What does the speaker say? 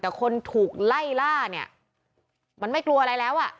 แต่คนถูกไล่ล่าเนี่ยมันไม่กลัวอะไรแล้วอ่ะ